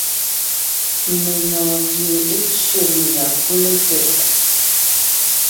Menɔ̀ɔn pie é tsẅé mbʉ̀a pʉ́le tɛʼ.